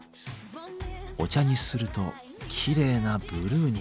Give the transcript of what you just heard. お茶にするときれいなブルーに。